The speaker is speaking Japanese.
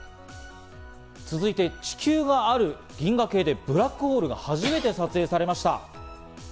続いて、地球がある銀河系でブラックホールが初めて撮影されました。